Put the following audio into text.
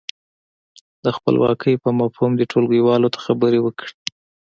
د خپلواکۍ پر مفهوم دې ټولګیوالو ته خبرې وکړي.